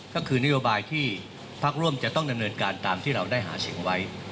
ก็คือนโยบายที่พักร่วมจะต้องดำเนินการตามที่เราได้หาเสียงไว้